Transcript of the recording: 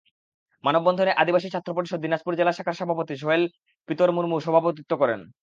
মানববন্ধনে আদিবাসী ছাত্র পরিষদ দিনাজপুর জেলা শাখার সভাপতি সোহেল পিতরমুর্মু সভাপতিত্ব করেন।